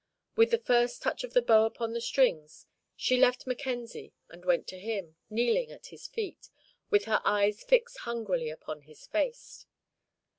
With the first touch of the bow upon the strings, she left Mackenzie and went to him, kneeling at his feet, with her eyes fixed hungrily upon his face.